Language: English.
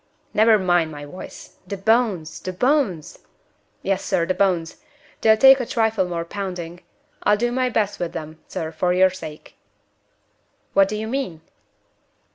"Never mind my voice. The bones! the bones!" "Yes, sir the bones. They'll take a trifle more pounding. I'll do my best with them, sir, for your sake." "What do you mean?"